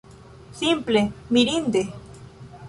Simple mirinde!